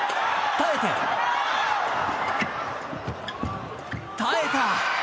耐えて、耐えた！